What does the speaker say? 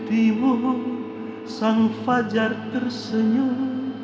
di bufuk timu sang fajar tersenyum